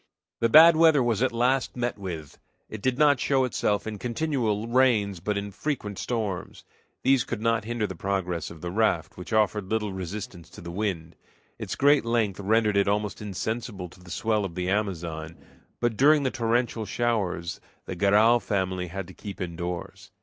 The bad weather was at last met with. It did not show itself in continual rains, but in frequent storms. These could not hinder the progress of the raft, which offered little resistance to the wind. Its great length rendered it almost insensible to the swell of the Amazon, but during the torrential showers the Garral family had to keep indoors.